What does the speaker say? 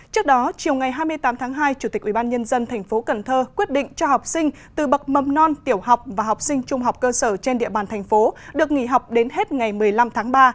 trước đó chiều ngày hai mươi tám tháng hai chủ tịch ubnd tp cần thơ quyết định cho học sinh từ bậc mầm non tiểu học và học sinh trung học cơ sở trên địa bàn thành phố được nghỉ học đến hết ngày một mươi năm tháng ba